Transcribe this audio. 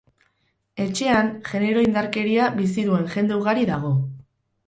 Etxean, genero indarkeria bizi duen jende ugari dago.